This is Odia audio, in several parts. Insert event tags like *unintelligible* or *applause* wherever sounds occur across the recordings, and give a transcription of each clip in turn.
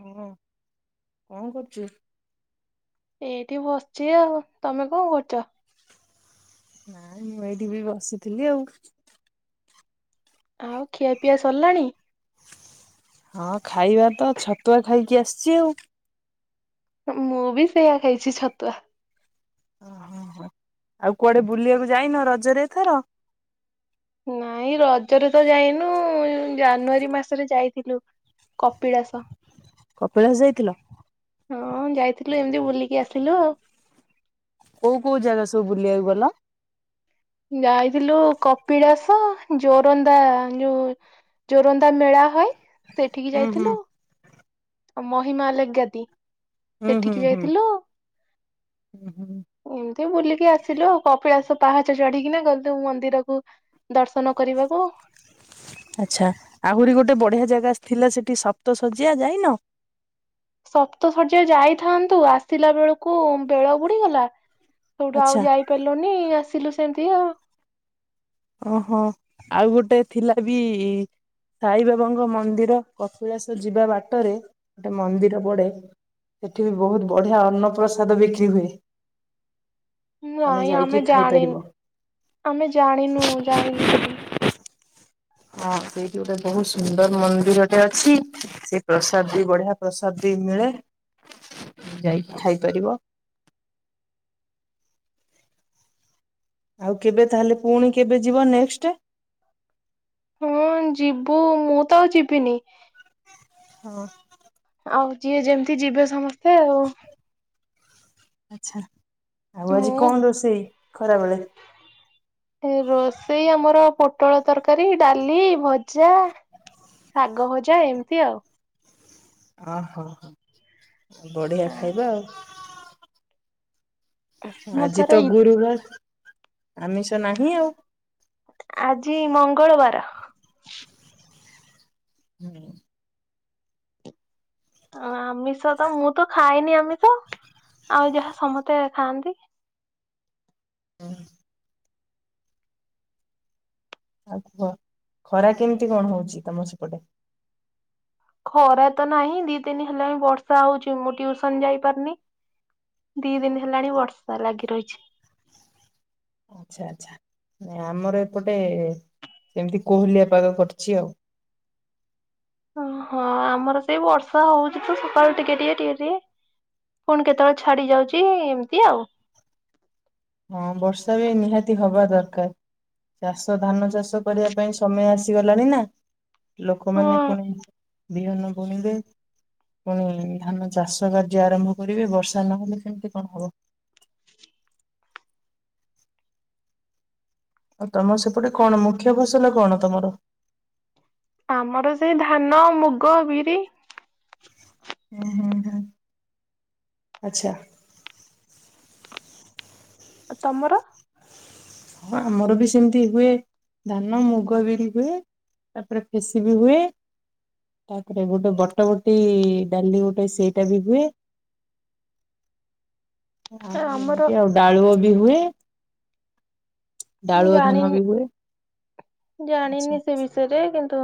ହଁ କଣ କରୁଛୁ? ଏଇଠି ବସିଛି ଆଉ ତମେ କଣ କରୁଛ? ମୁଁ ଏଇଠି ବି ବସିଥିଲି ଆଉ । ଆଉ ଖିଆ ପିଆ ସରିଲାଣି? ହଁ ଖାଇବା ତ ଛତୁଆ ଖାଇକି ଆସିଛି ଆଉ ମୁଁ ବି ସେଇୟା ଖାଇଛି ଛତୁଆ। ଓହୋ ହୋ ଆଉ କୁଆଡେ ବୁଲିବାକୁ ଯାଇନ ରଜରେ ଏଥର? ନାଇଁ ରଜରେ ତ ଯାଇନୁ ଜାନୁଆରୀ ମାସରେ ଯାଇଥିଲୁ, କପିଳାସ । କପିଳାସ ଯାଇଥିଲ? ହଁ ଯାଇଥିଲୁ ଏମିତି ବୁଲିକି ଆସିଲୁ ଆଉ । କୋଉ କୋଉ ଜାଗା ସବୁ ବୁଲିବାକୁ ଗଲ? ଯାଇଥିଲୁ କପିଳାସ ଜୋରନ୍ଦା ଯୋଉ ଜୋରନ୍ଦା ମେଳା ହଏ। ସେଠିକି ହୁଁ ହୁଁ ଯାଇଥିଲୁ। ମହିମା ଆଲଗ ଗାଦି । ହୁଁ ହୁଁ ସେଠିକି ହୁଁ ଯାଇଥିଲୁ ହୁଁ । ତ ବୁଲିକି ଆସିଲୁ, ଆ କପିଳାସ ପାହାଚ ଚଢିକିନା ଗଲୁ । ମନ୍ଦିରକୁ ଦର୍ଶନ କରିବାକୁ ଅଛା ଆହୁରି ଗୋଟେ ବଢିଆ ଜାଗା ଥିଲା ।ସେଠି ସପ୍ତ ଶଯ୍ୟା ଯାଇନ। ସପ୍ତ ଶଯ୍ୟା ଯାଇଥାନ୍ତୁ, ଆସିଲା ବେଳକୁ ବେଳ ବୁଡିଗଲା। ସେଉଠୁ ଆଉ ଆଚ୍ଛା ଯାଇପାରିଲୁନି ଆସିଲୁ ସେମି ଇଆଉ ଓହୋ, ଆଉ ଗୋଟେ ଥିଲା ବି। ସାଇ ବାବାଙ୍କ ମନ୍ଦିର, କପିଳାସ ଯିବା ବାଟରେ ଗୋଟେ ମନ୍ଦିର ପଡେ ।ସେଠି ବି ବହୁତ ବଢିଆ ଅନ୍ନପ୍ରସାଦ ବିକ୍ରି ହୁଏ । ନାଇଁ ଆମେ ଜାଣିନି ଆମେ ଜାଣି ଜାଣିନୁ ଯାଇନୁ ସେଠି । ହଁ ସେଇଠି ଗୋଟେ ବହୁତ ସୁନ୍ଦର ମନ୍ଦିର ଟେ ଅଛି ।ସେ ପ୍ରସାଦ ବି ବଢିଆ ପ୍ରସାଦ ବି ମିଳେ, ଯାଇି ଖାଇପାରିବ। ଆଉ କେବେ ତାହଲେ ପୁଣି କେବେ ଯିବ ନେକ୍ସଟ? ହଁ ଯିବୁ ମୁଁ ତ ଆଉ ଯିବିନି। ହଁ। ଆଉ ଯିଏ ଯେମିତି ଯିବେ ସମସ୍ତେ ଆଉ। ଆଛା। ମୁଁ ଖରାବେଳେ? ଏ ରୋଷେଇ ଆମର ପ ପୋଟଳ ତରକାରୀ ଡାଲି ଭଜା ଶାଗ ଭଜା ଏମିତି ଆଉ। ଓହୋ ହୋ ବଢିଆ ଆଁ, ଖାଇବା ଆଉ। ମୁଁ ଆଜି ଥରେ ତ ଇ- ଗୁରୁବାର। ଆମିଷ ନାହିଁ ଆଉ। ଆଜି ମଙ୍ଗଳବାର। ହୁଁ। ଆମିଷ ତ ମୁଁ ତ ଖାଇନି ଆମିଷ ଆଉ ଯାହା ସମସ୍ତେ ଖାଆନ୍ତି। ହୁଁ। ଆଉ ଖ ଖରା କେମିତି କଣ ହଉଛି ତମ ସେପଟେ। ଖରା ତ ନାହିଁ ଦି ଦିନ ହେଲାଣି ବର୍ଷା ହଉଛି ମୁଁ ଟିଉସନ ଯାଇପାରୁନି ଦି ଦିନ ହେଲାଣି ବର୍ଷା ଲାଗି ରହିଛି। ଆଚଛା ଆଚଛା ଆମର ଏପଟେ ସେମିତି କୋହଲିଆ ପାଗ କରିଛି ଆଉ। ଓହଁ ଆମର ସେଇ ବର୍ଷା ହଉଛି ତ ସକାଳୁ ଟିକେ ଟିକେ ଟିକେ ଟିକେ ପୁଣି କେତେବେଳେ ଛାଡି ଯାଉଛି ଏମିତି ଆଉ। ହଁ ବର୍ଷା ବି ନିହାତି ହବା ଦରକାର ଚାଷ ଧାନ ଚାଷ କରିବା ପାଇଁ ସମୟ ଆସିଗଲାଣି ନା? ଲୋକମାନେ ପୁଣି ହଁ ବିହନ ବୁଣିବେ ପୁଣି ଧାନ ଚାଷ କାର୍ଯ୍ୟ ଆରମ୍ଭ କରିବେ ବର୍ଷା ନହେଲେ କେମତି କଣ ହବ। ଆଉ ତମ ସେପଟ କଣ ମୁଖ୍ୟ ଫସଲ । ଲ କଣ ତମର? ଆମର ସେଇ ଧାନ ମୁଗ ବିରି। ହୁଁ ହୁଁ ହୁଁ ଆଚ୍ଛା। ତମର। ହଁ ଆମର ବି ସେମିତି ହୁଏ ଧାନ ମୁଗ ବିରି ହୁଏ ତାପରେ ଫେସି ବି ହୁଏ ତାପରେ ଗୋଟେ ବଟ ବଟି ଡାଲି ଗୋଟେ ସେଇଟା ବି ହୁଏ। ଆମର ଆଉ ଡାଳୁ। ବି ହୁଏ। ଁ ଡାଳୁଅ ଧାନ ବି ହୁଏ ଜିନ ଜିନ ଆଚ୍ଛା ନିି ସେ ବିଷୟରେ କିନ୍ତୁ?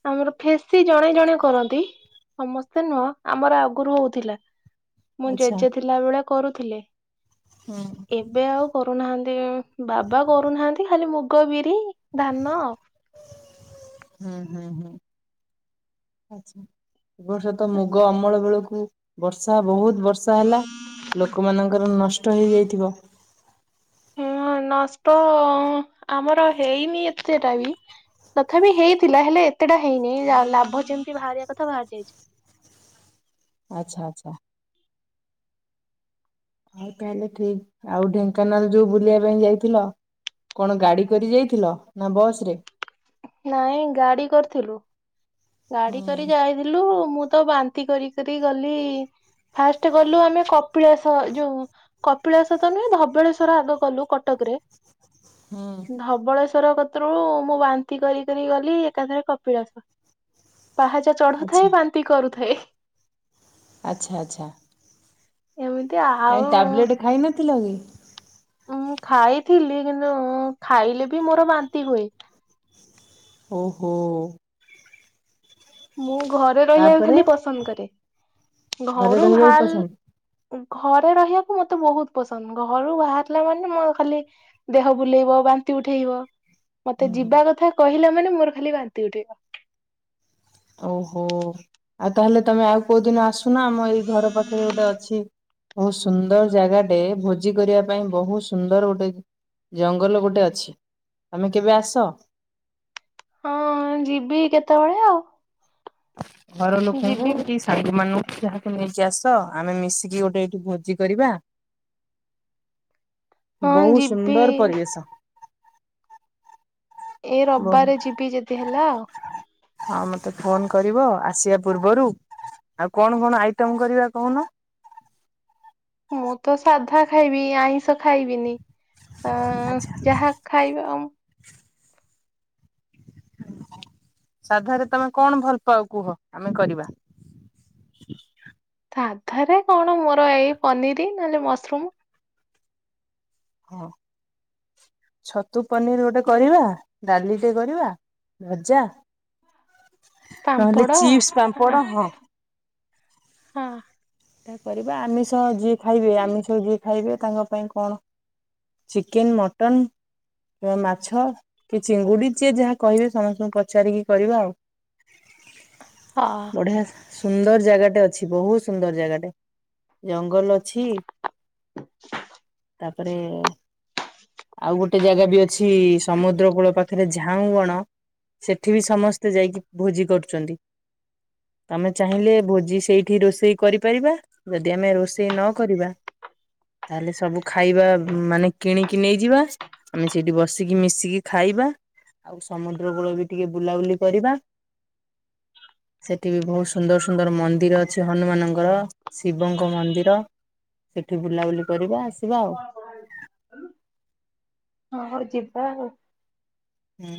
ତ ଆମର ଫେସି ଜଣେ ଜଣେ କରନ୍ତି ସମସ୍ତେ ନୁହଁ ଆମର ଆଗରୁ ହଉଥିଲା। ମୁଁ ଆଚ୍ଛା। ଜେଜେ ଥିଲା ବେଳେ କରୁଥିଲେ। ହୁଁ ଏବେ ଆଉ କ ନାହାନ୍ତି। ବାବା କରୁନାହାନ୍ତି ଖାଲି ମୁଗ ବିରି। ଧାନ ଆଉ । ହୁଁ ହୁଁ ହୁଁ ଆଛା ଏବର୍ଷତ ମୁଗ ଅମଳ ବେଳକୁ ବର୍ଷା ବହୁତ ବର୍ଷା ହେଲା ଲୋକମାନାନଙ୍କର ନଷ୍ଟ ହେଇଯାଇଥିବ। ହଁ ନଷ୍ଟ ଆମର ହେଇନି ଏତେଟା ବି ତଥାପି ହେଇଥିଲା ହେଲେ ଏତେଟା ହେଇନି ଲାଭ ଯେମିତି ବାହାରିବା କଥା ବାହାରି ଯାଇଛି। ଆଚଛା ଆଚ୍ଛା। ହଉ ତାହେଲେ ଠିକ ଆଉ ଢେଙ୍କାନାଳ ଯୋଉ ବୁଲିବା ପାଇଁ ଯାଇଥିଲ କଣ ଗାଡି କରି ଯାଇଥିଲ ନା ବସ ରେ ନାଇଁ ଗାଡି କରିଥିଲୁ। ଗାଡି ହୁଁ କରି ଯାଇଥିଲୁ ମୁଁ। ତ ବାନ୍ତି କରିକ ଗଲି ଫାଷ୍ଟ ଗଲୁ ଆମେ କପିଳାସ ଯୋଉ କପିଳାସ ତ ନୁହେଁ ଧବଳେଶ୍ୱଵର ଆଗ ଗଲୁ କଟକରେ ହୁଁ। ଧବଳ ର କତ୍ରରୁୁ ମୁଁ ବାନ୍ତି କରି କରି ଗଲି ଏକାଥରେ କପିଳାସ ପାହାଚା ଚଢୁଥାଏ ଆଚ୍ଛା ବାନ୍ତି କରୁଥାଏ। ଆଚ୍ଛା ଆଚ୍ଛା। ଏମିତି ଆଉ କାଇଁ ଟାବଲେଟ ଖାଇ ନଥିଲ କି। ହ। ଉଁ ଖାଇଥିଲି କିନ୍ତୁ ଖାଇଲେ ବି ମୋର ବାନ୍ତି ହୁଏ। ଓହୋ। ମୁଁ ଘରେ ରହିବାକୁ ତାପରେ ଖାଲି ପସନ୍ଦ କରେ ଘରେ ଘରୁ ରହିବାକୁ ପସନ୍ଦ ଭଲ। ଘରେ ରହିବାକୁ ମତେ ବହୁତ ପସନ୍ଦ ଘରୁ ବାହାରିଲା ମାନେ ମୋ ଖାଲି ଦେହ ବୁଲେଇବ ବାନ୍ତି ଉଠେଇବ ମତେ ହୁଁ ହୁଁ। ଯିବା କଥା କହିଲା। ମାନେ ମୋର ଖାଲି ବାନ୍ତି ଉଠେଇ ଆ ଓହୋ ଆଉ ତାହେଲେ ତମେ ଆଉ କୋଉଦିନ ଆସ ଶୁନା ଆମ ଏଇ ଘର ପାଖରେ ଗୋଟେ ଅଛି। ବହୁତ ସୁନ୍ଦର ଜାଗାଟେ ଭୋଜି କରିବା ପାଇଁ ବହୁତ ସୁନ୍ଦର ଗୋଟେ ଜଙ୍ଗଲ ଗୋଟେ ଅଛି ତମେ କେବେ ଆସ। ହଁ ଯିବି କେତେବେଳେ ଆଉ। *inaudible* ଘର ଲୋକଙ୍କୁ ଯିବି କି ସାଇଡ୍ ମାନଙ୍କୁ ଯାହାକୁ ନେଇକି ଆସ, ଆମେ ମିଶିକି ଗୋଟେ ଏଇଠି ଭୋଜି କରିବା। ହଁ ବହୁତ୍ ଯିବି ସୁନ୍ଦର ପରିବେଶ। ଏ ରବିବାରେ ଯିବି ଯଦି ହେଲା ଆଉ। ହଁ ମତେ ଫୋନ କରିବ ଆସିବା ପୂର୍ବରୁ, ଆଉ କଣ କଣ ଆଇଟମ କରିବା କହୁନ? ମୁଁ ତ ସାଧା ଖାଇବି ଆଇଁଷ ଖାଇବିନି। ଆ ଆଚ୍ଛା ଯାହା ଖାଇବା ଅମ୍। ସାଧାରେ ତମେ କଣ ଭଲ ପାଅ କୁହ, ଆମେ କରିବା। ସାଧାରେ କଣ ମୋର ଏଇ ପନିରି ନହେଲେ ମସରୁମ। ହଁ ଛତୁ ପନିର ଗୋଟେ କରିବା, ଡାଲିଟେ କରିବା ଭଜା। ନହେଲେ ପାମ୍ପଡ ହଁ। ଚିପ୍ସ ପାମ୍ପଡ଼ ହଁ ତାହା କରିବା ଆମିଶ ଯିଏ ଖାଇବେ ଆମିଶ ଯିଏ ଖାଇବେ ତାଙ୍କ ପାଇଁ କଣ ଚିକେନ, ମଟନ, ମାଛ କି ଚିଙ୍ଗୁଡ଼ି ଯିଏ ଯାହା କହିବେ ସମସ୍ତଙ୍କୁ ପଚାରିକି କରିବା ଆଉ। ହଁ ବଢିଆ। ସୁନ୍ଦର ଜାଗାଟେ ଅଛି ବହୁତ ସୁନ୍ଦର। ଜାଗାଟେ ଜଙ୍ଗଲ ଅଛି। ତାପରେ ଆଉ ଗୋଟେ ଜାଗା ବି ଅଛି ସମୁଦ୍ରକୂଳ ପାଖରେ ଝାଉଁବଣ ସେଠି ବି ସମସ୍ତେ ଯାଇକି ଭୋଜି କରୁଛନ୍ତି। ତମେ ଚାହିଁଲେ ଭୋଜି ସେଇଠି ରୋଷେଇ । କରିପାରିବା ଯଦି ଆମେ ରୋଷେଇ ନ କରିବା ତାହେଲେ ସବୁ ଖାଇବା ମାନେ କିଣିକି ନେଇଯିବା। ଆମେ ସେଇଠି ବସିକି ମିଶିକି ଖାଇବା ଆଉ ସମୁଦ୍ରକୂଳ ବି ଟିକେ ବୁଲାବୁଲି କରିବା। ସେଠି ବି ବହୁତ ସୁନ୍ଦର ସୁନ୍ଦର ମନ୍ଦିର ଅଛି ହନୁମାନଙ୍କ। ଗ ଶିବଙ୍କ ମନ୍ଦିର ସେଠି ବୁଲାବୁଲି କରିବା ଆସିବା ଆଉ। ହଁ ହଉ ଯିବା ଆଉ। ହୁଁ।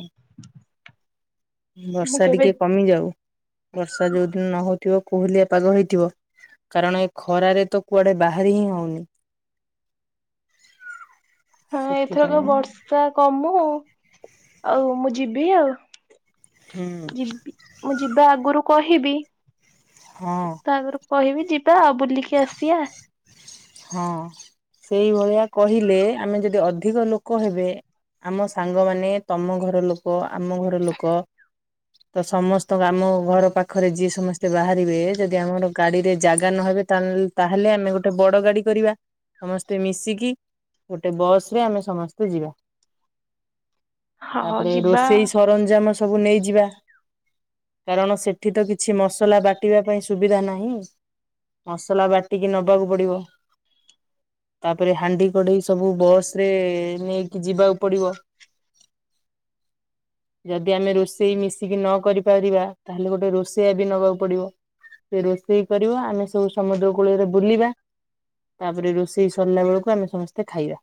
ମୁଁ ବର୍ଷା କେବେ ଟିକେ କମିଯାଉ। ବର୍ଷା ଯୋଉଦିନ ନହବ । ଥିବ କୋହଲିଆ ପାଗ ହେଇଥିବ, କାରଣ ଏ ଖରାରେ ତ କୁଆଡେ ବାହାରି ହିଁ ହଉନି। ହଁ ଏଥରକ ସେଥିପାଇଁ ବର୍ଷା କମୁ। ଆଉ ମୁଁ ଯିବି ଆଉ। ହୁଁ ଯିବି ମୁଁ ଯିବା ଆଗରୁ କହି ହିବି । ହଁ। କହିବି ଯିବ୍ ବି ତ ବୁଲିକି ଆସିବା। ହଁ ସେଇଭଳିଆ କହିଲେ ଆମେ ଯଦି ଅଧିକ ଲୋକ ହେବେ ଆମ ସାଙ୍ଗମାନେ, ତମ ଘରଲୋକ, ଆମ ଘରଲୋକ, ତ ସମସ୍ତଙ୍କ ଆମ ଘର ପାଖରେ ଯିଏ ସମସ୍ତେ ବାହାରିବେ ଯଦି ଆମର ଗାଡିରେ ଜାଗା ନହେବେ ତା ଲ ତାହେଲେ ଆମେ ଗୋଟେ ବଡ । ବଡ଼ ଗାଡି କରିବା ସମସ୍ତେ ମିଶିକି ଗୋଟେ ବସରେ ଆମେ ସମସ୍ତେ ଯିବା। ହଁ ତାପରେ ଯିବା। ରୋଷେଇ ସରଞ୍ଜାମ ସ ସବୁ ନେଇଯିବା କାରଣ ସେଠି ତ କିଛି ମସଲା ବାଟିବା ପାଇଁ ସୁବିଧା ନାହିଁ ମସଲା ବାଟିକି ନବାକୁ ପଡିବ। ତାପରେ ହାଣ୍ଡି କଢେଇ ସବୁ ବସ ରେ ନେଇକି ଯିବାକୁ ପଡିବ ଯଦି ଆମେ ରୋଷେଇ ମିଶିକି ନ କରିପାରିବା ତାହେଲେ ଗୋଟେ ରୋଷେଇଆ ବି ନବାକୁ ପଡିବ ସେ ରୋଷେଇ କରିବ ଆମେ ସବୁ ସମୁଦ୍ର କୂଳରେ ବୁଲିବା। ତାପରେ ରୋଷେଇ ସରିଲା ବେଳକୁ ଆମେ ସମସ୍ତେ ଖାଇବା।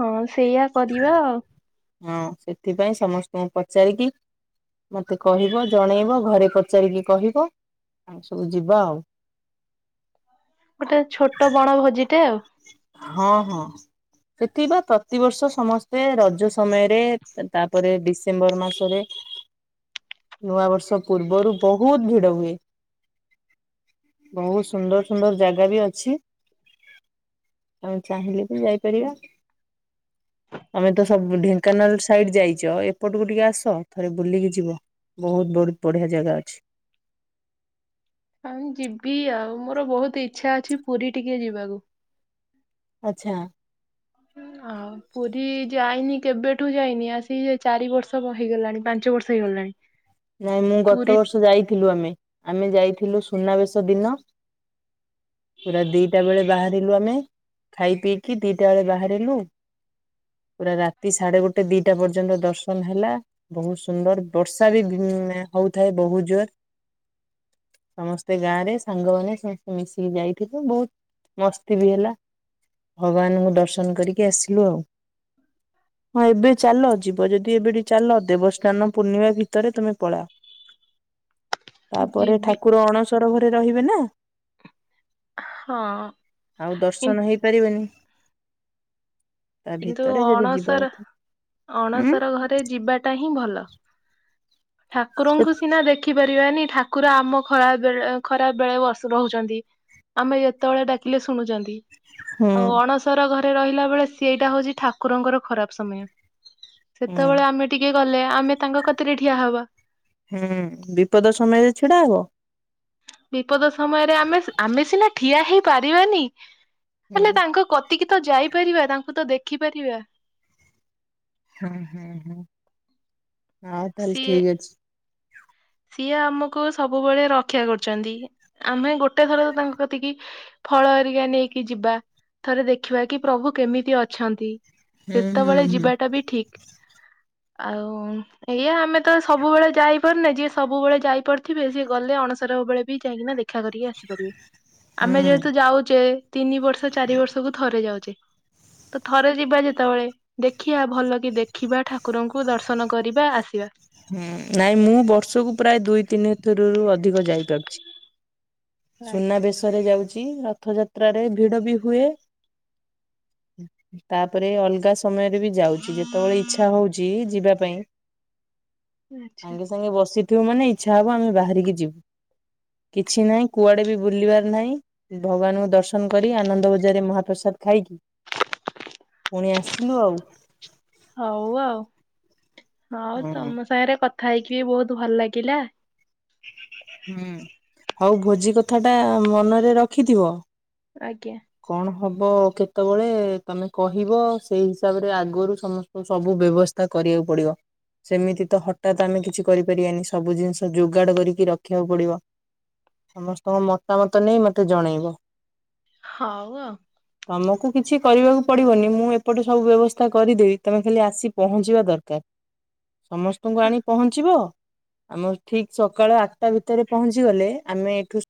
ହଁ ସେଇଆ କରିବା ଆଉ। ହଁ ସେଥିପାଇଁ ସମସ୍ତଙ୍କୁ ପଚାରିକି ମତେ କହିବ ଜଣେଇବ ଘରେ ପଚାରିକି କହିବ ଆମେ ସବୁ ଯିବା ଆଉ। ଗୋଟେ ଛୋଟ ବଣଭୋଜିଟେ ଆଉ। ହଁ ହଁ ସେଠି ବା ପ୍ରତିବର୍ଷ ସମସ୍ତେ ରଜ ସମୟରେ ତାପରେ ଡିସେମ୍ବର ମାସରେ ନୂଆ ବର୍ଷ ପୂର୍ବରୁ ବହୁତ ଭିଡ ହୁଏ ବହୁତ ସୁନ୍ଦର ସୁନ୍ଦର ଜାଗା ବି ଅଛି। ଆମେ ଚାହିଁଲେ ବି ଯାଇପାରିବା ଆମେ ତ ସବୁ ଢେଙ୍କାନାଳ ସାଇଡ ଯାଇଛ ଏପଟକୁ ଟିକେ ଆସ ଥରେ ବୁଲିକି ଯିବ ବହୁତ ବହୁତ ବଢିଆ ଜାଗା ଅଛି। ହଉ ଯିବି ଆଉ ମୋର ବହୁତ ଇଛା ଅଛି ପୁରୀ ଟିକେ ଯିବାକୁ। ଆଚ୍ଛା । ଆଉ ପୁରୀ ଯାଇନି କେବେଠୁ ଯାଇନି ଆସି ଚାରି ବର୍ଷ ହେଇଗଲାଣି ପାଞ୍ଚ ବର୍ଷ ହେଇଗଲାଣି। ନାଇଁ ମୁଁ ପୁରୀ ଗତ ବର୍ଷ ଯାଇଥିଲୁ ଆମେ ଆମେ ଯାଇଥିଲୁ । ସୁନାବେଶ ଦିନ । ପୁରା ଦିଟା ବେଳେ ବାହାରିଲୁ ଆମେ । ଖାଇ ପିଇକି ଦିଟା ବେଳେ ବାହାରିଲୁ ପୁରା ରାତି ସାଢେ ଗୋଟେ ଦିଟା ପର୍ଯ୍ୟନ୍ତ ଦର୍ଶନ ହେଲା ବହୁତ ସୁନ୍ଦର ବର୍ଷା ବି ହଉଥାଏ ବହୁତ ଜୋର, ସମସ୍ତେ ଗାଁ ରେ ସାଙ୍ଗମାନେ ସମସ୍ତେ ମିଶିକି ଯାଇଥିଲୁ ବହୁତ ମସ୍ତି ବି ହେଲା ଭଗବାନଙ୍କୁ ଦର୍ଶନ କରିକି ଆସିଲୁ ଆଉ, ହଁ ଏବେ ଚାଲ ଯିବ ଯଦି ଏବେଠୁ ଚାଲ ଦେବସ୍ନାନ ପୂର୍ଣ୍ଣିମା ଭିତରେ ତମେ ପଳା । ତାପରେ ଯିବି ଠାକୁର ଅଣସର ଘରେ ରହିବେ ନା ହଁ ଆଉ କି ଦର୍ଶନ ହେଇପାରିବେନି। ତା କିନ୍ତୁ ଭିତରେ ଯଦି ଯିବା ଅଣସର କଥା ଉଁ ଅଣସର ଘରେ ଯିବାଟା ହିଁ ଭଲ। ଠାକୁରଙ୍କୁ ସିନା ଦେଖି ଦେଖିପାରିବାନି ଠାକୁର ଆମ ଖରାବେଳେ ଖରାପ ବେଳେ ବସୁ ରହୁଛନ୍ତି ଆମେ ଯେତେବେଳେ ଡାକିଲେ ଶୁଣୁଛନ୍ତି। ହୁଁ ଆଉ ଅଣସର ଘରେ ରହିଲା ବେଳେ ସେଇଟା ହଉଛି ଠାକୁରଙ୍କର ଖରାପ ସମୟ। ହୁଁ ସେତେବେଳେ ଆମେ ଟିକେ ଗଲେ ଆମେ ତାଙ୍କ କତିରେ ଠିଆ ହବା। ହୁଁ ବିପଦ ସମୟରେ ଛିଡା ହବ। ବିପଦ ସମୟରେ ଆମେ ଆମେ ସିନା ଠିଆ ହେଇ ପାରିବାନି ହୁଁ ହେଲେ ତାଙ୍କ କତିକି ତ ଯାଇପାରିବା ତାଙ୍କୁ ତ ଦେଖିପାରିବା। ହୁଁ ହୁଁ ହୁଁ। ହଁ ତାହେଲେ ସିଏ ଠିକ ଅଛି। ସିଏ ଆମକୁ ସବୁବେଳେ ରକ୍ଷା କରୁଛନ୍ତି ଆମେ ଗୋଟେ ଥର ତ ତାଙ୍କ କତିକି ଫଳ ଏରିକା ନେଇକି ଯିବା ଥରେ ଦେଖିବା କି ପ୍ରଭୁ କେମିତି ଅଛନ୍ତି। ହୁଁ ହୁଁ ସେତେବେଳେ ଯିବାଟା ବି ଠିକ। ଆଉ ଏଇଆ ଆମେ ତ ସବୁବେଳେ ଯାଇ *unintelligible* ସବୁବେଳେ ଯାଇପାରୁଥିବେ ସିଏ ଗଲେ ଅଣସରହ ବେଳେ ବି ଯାଇକିନା ଦେଖ ରକ୍ଷା କରିକି ଆସିପାରିବେ ହୁଁ ଆମେ ହୁଁ ଯେହେତୁ ଯାଉଚେ। ତିନି ବର୍ଷ ଚାରି ବର୍ଷକୁ ଥରେ ଯାଉଛେ ତ ଥରେ ଯିବା ଯେତେବେଳେ ଦେଖିବା ଭଲ କି ଦେଖିବା ଠାକୁରଙ୍କୁ ଦର୍ଶନ କରିବା ଆସିବା। ହୁଁ ନାଇଁ ମୁଁ ବର୍ଷକୁ ପ୍ରାୟ ଦୁଇ ତିନି ଥରରୁ ଅଧିକ ଯାଇପାରୁଛି। ଆଚ୍ଛା ସୁନାବେେଶରେ ଯାଉ ରଥଯାତ୍ରାରେ ଭିଡ ବି ହୁଏ। ତାପରେ ଅଲଗା ସ ସମୟରେ ବି ଯାଉଛି ଯେତେବେଳେ ଇଛା ହଉଛି ଯିବା *unintelligible* ଆଚ୍ଛା ସାଙ୍ଗେ ସାଙ୍ଗେ ବସି ଯେ ମାନ ଇଚ୍ଛା ହେବ ଆମେ ବାହାରିକି ଯିବୁ କିଛି ନାହିଁ କୁଆଡ଼େ ବି ବୁଲିବାର ନାହିଁ ଭଗବାନଙ୍କୁ ଦର୍ଶନ କରି ଆନନ୍ଦ ବଜାରରେ ମହାପ୍ରସାଦ ଖାଇକି ପୁଣି ଆସିଲୁ ଆଉ। ହଉ ଆଉ ହଉ ହଁ ତମ ସାଙ୍ଗରେ କ ଖାଇକି ବି ବହୁତ ଭଲ ଲାଗିଲା। ହୁଁ। ହଉ ଭୋଜି କଥା ଟା ମନରେ ରଖିଥିବ। ଆଜ୍ଞା କଣ ଭ ବ କେତେବେଳେ ତମେ କହିବ ସେଇ ହିସାବରେ ଆଗରୁ ସମସ୍ତଙ୍କୁ ସବୁ ବ୍ୟବସ୍ଥା କରିବାକୁ ପଡିବ ସେମିତି ତ ହଠାତ୍ ଆମେ କିଛି କରିପାରିବାନି ସବୁ ଜିନିଷ ଯୋଗାଡ କରିକି ରଖିବାକୁ ପଡିବ ସମସ୍ତଙ୍କ ମତାମତ ନେଇ ମତେ ଜଣେଇବ। ହଉ ଆଉ। ଆମକୁ କିଛି କରିବାକୁ ପଡିବନି ମୁଁ ଏପଟେ ସବୁ ବ୍ୟବସ୍ଥା କରିଦେବି ତମେ ଖାଲି ଆସି ପହଞ୍ଚିବା ଦରକାର। ସମସ୍ତଙ୍କୁ ହଁ। ଆଣି ପହଞ୍ଚିବ? ଆମର ଠିକ ସକାଳ ଆଠଟା ଭିତରେ ପହଞ୍ଚି ଗଲେ ଆମେ ଏଠୁ